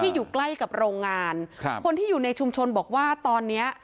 อยู่ใกล้กับโรงงานครับคนที่อยู่ในชุมชนบอกว่าตอนเนี้ย